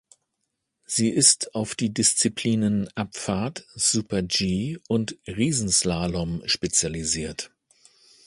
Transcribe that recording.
Sie ist auf die Disziplinen Abfahrt, Super-G und Riesenslalom spezialisiert.